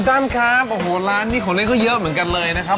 ท่านครับโอ้โหร้านนี้ของเล่นก็เยอะเหมือนกันเลยนะครับ